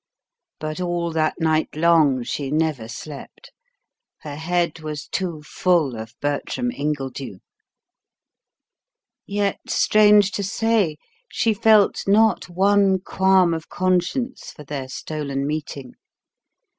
But all that night long she never slept. Her head was too full of Bertram Ingledew. Yet, strange to say, she felt not one qualm of conscience for their stolen meeting.